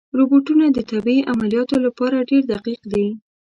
روبوټونه د طبي عملیاتو لپاره ډېر دقیق دي.